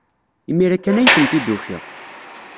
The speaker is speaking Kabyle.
Imir-a kan ay tent-id-ufiɣ.